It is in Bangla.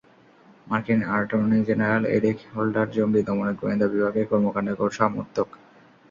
মার্কিন অ্যাটর্নি জেনারেল এরিখ হোল্ডার জঙ্গি দমনে গোয়েন্দা বিভাগের কর্মকাণ্ডের ঘোর সমর্থক।